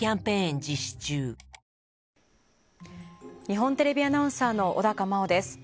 日本テレビアナウンサーの小高茉緒です。